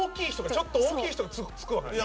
ちょっと大きい人がつくわけですよ。